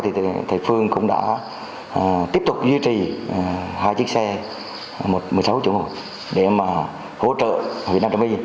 thì thầy phương cũng đã tiếp tục duy trì hai chiếc xe một mươi sáu chủng để mà hỗ trợ việt nam trung tâm viên